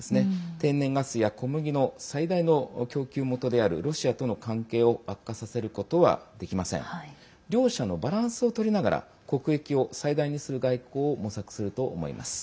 天然ガスや、小麦の最大の供給元であるロシアとの関係を悪化させることはできません。両者のバランスをとりながら国益を最大にする外交を模索すると思います。